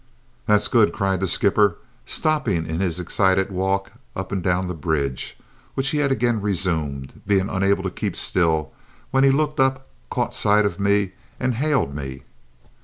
"That's good!" cried the skipper, stopping in his excited walk up and down the bridge, which he had again resumed, being unable to keep still, when he looked up, caught sight of me and hailed me.